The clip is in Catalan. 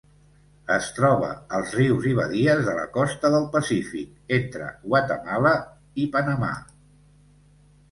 Es troba als rius i badies de la costa del Pacífic entre Guatemala i Panamà.